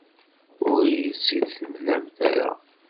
Ur iyi-tt-id-temlamt ara.